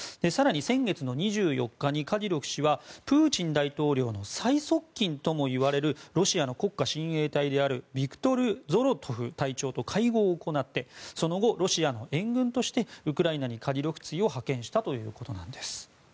更に先月２４日にカディロフ氏はプーチン大統領の最側近ともいわれるロシアの国家親衛隊であるビクトル・ゾロトフ隊長と会合を行ってその後、ロシアの援軍としてウクライナにカディロフツィを派遣したということです。